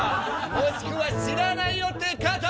もしくは知らないよって方！